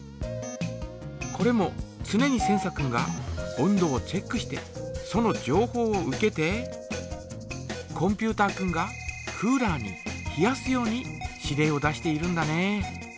これもつねにセンサ君が温度をチェックしてそのじょうほうを受けてコンピュータ君がクーラーに冷やすように指令を出しているんだね。